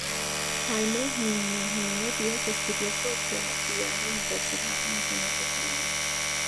Jaime Niño Niño Díez estudió sociología en la Universidad Nacional de Colombia.